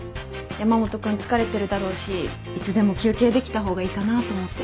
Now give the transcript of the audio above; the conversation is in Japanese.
山本君疲れてるだろうしいつでも休憩できた方がいいかなと思って。